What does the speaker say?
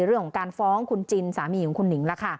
เรื่องของการฟ้องคุณจินสามีของคุณหนิงล่ะค่ะ